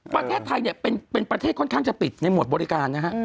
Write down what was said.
ประเทศไทยเนี่ยเป็นประเทศค่อนข้างจะปิดในหมวดบริการนะฮะ